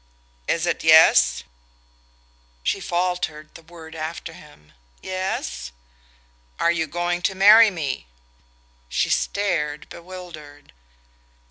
"Is it yes?" She faltered the word after him: "Yes ?" "Are you going to marry me?" She stared, bewildered.